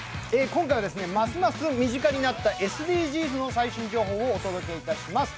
今回はますます身近になったＳＤＧｓの最新情報をお届けします。